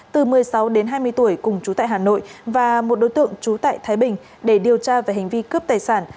từ một mươi sáu đến hai mươi tuổi cùng chú tại hà nội và một đối tượng trú tại thái bình để điều tra về hành vi cướp tài sản